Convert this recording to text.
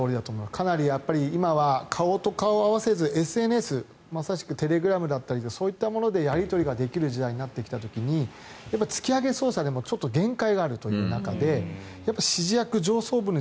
かなり今は顔と顔を合わせずＳＮＳまさしくテレグラムだったりそういったものでやり取りができる時代になってきた時に突き上げ捜査でも限界があるという中で指示役、上層部に。